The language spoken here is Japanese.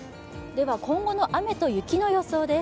今後の雨と雪の予想です。